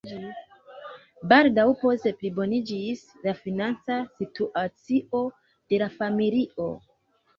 Baldaŭ poste pliboniĝis la financa situacio de la familio.